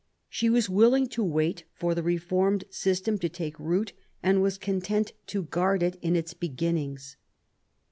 She was willing to wait for the reformed system to take root and was content to guard it in its beginnings.